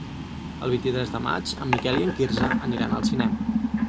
El vint-i-tres de maig en Miquel i en Quirze aniran al cinema.